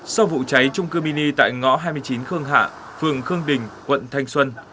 sau vụ cháy trung cư mini tại ngõ hai mươi chín khương hạ phường khương đình quận thanh xuân